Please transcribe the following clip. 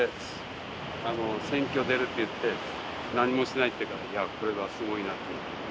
選挙出るって言って何もしてないって言うからいやこれはすごいなと。